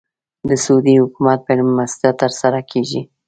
د سعودي حکومت په مېلمستیا تر سره کېږي.